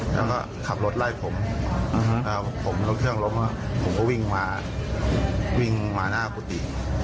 แล้วก็ขับรถไล่ผมผมรถเครื่องล้มผมก็วิ่งมาวิ่งมาหน้ากุฏิ